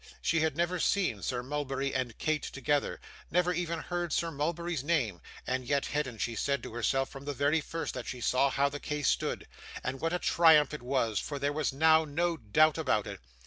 She had never seen Sir Mulberry and Kate together never even heard Sir Mulberry's name and yet hadn't she said to herself from the very first, that she saw how the case stood? and what a triumph it was, for there was now no doubt about it.